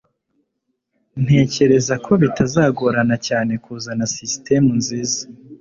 ntekereza ko bitazagorana cyane kuzana sisitemu nziza